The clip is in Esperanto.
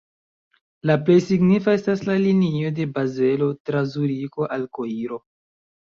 La plej signifa estas la linio de Bazelo tra Zuriko al Koiro.